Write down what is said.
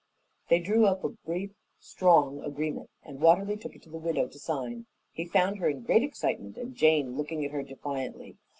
They drew up a brief, strong agreement, and Watterly took it to the widow to sign. He found her in great excitement and Jane looking at her defiantly.